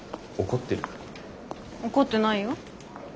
怒ってないよ。